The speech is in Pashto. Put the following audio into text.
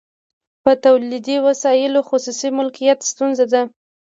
په تولیدي وسایلو خصوصي مالکیت ستونزه ده